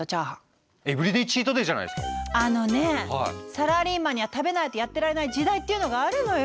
サラリーマンには食べないとやってられない時代っていうのがあるのよ。